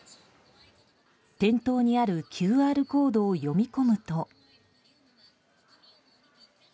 店頭にあるＱＲコードを読み込むと。